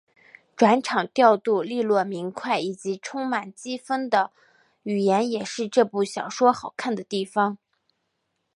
转场调度俐落明快以及充满机锋的语言也是这部小说好看的地方。